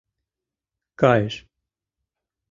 Кайыш...